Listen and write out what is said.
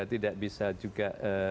tidak bisa juga